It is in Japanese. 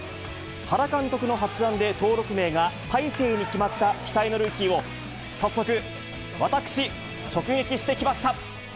原監督の発案で登録名が大勢に決まった期待のルーキーを、早速、私、直撃してきました。